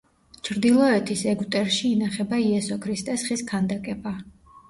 ჩრდილოეთის ეგვტერში ინახება იესო ქრისტეს ხის ქანდაკება.